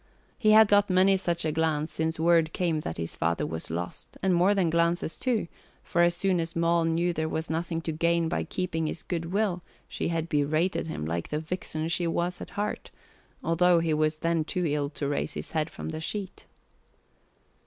He had got many such a glance since word came that his father was lost, and more than glances, too, for as soon as Moll knew there was nothing to gain by keeping his good will she had berated him like the vixen she was at heart, although he was then too ill to raise his head from the sheet.